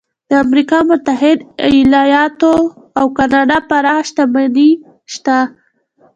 د امریکا متحده ایالتونو او کاناډا پراخه شتمني شته.